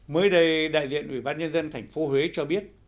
mới đây đại diện ủy ban nhân dân tp huế cho biết